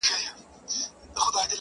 تیاري رخصتوم دي رباتونه رڼاکیږي-